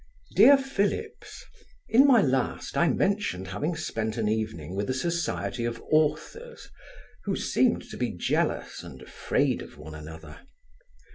DEAR PHILLIPS, In my last, I mentioned my having spent an evening with a society of authors, who seemed to be jealous and afraid of one another.